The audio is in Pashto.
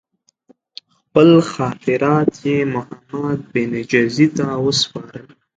خپل خاطرات یې محمدبن جزي ته وسپارل.